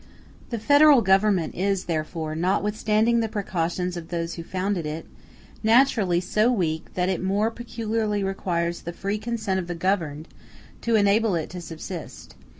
The Federal Government is, therefore, notwithstanding the precautions of those who founded it, naturally so weak that it more peculiarly requires the free consent of the governed to enable it to subsist.